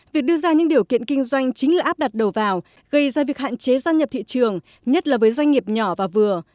việc đưa ra những điều kiện kinh doanh chính là áp đặt đầu vào gây ra việc hạn chế gia nhập thị trường nhất là với doanh nghiệp nhỏ và vừa